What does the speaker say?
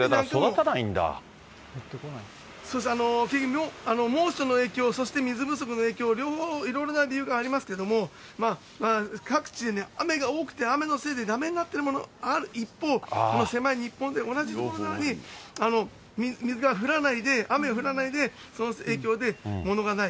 そうです、結局、猛暑の影響、そして水不足の影響、両方いろいろな理由がありますけれども、各地で雨が多くて、雨のせいでだめになっているものがある一方、この狭い日本で、同じ所なのに、水が降らない、雨降らないで、その影響で、ものがない。